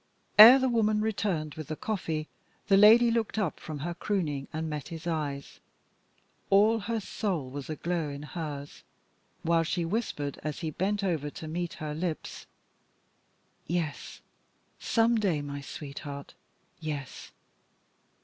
Ere the woman returned with the coffee the lady looked up from her crooning and met his eyes all her soul was aglow in hers while she whispered as he bent over to meet her lips: "Yes, some day, my sweetheart yes."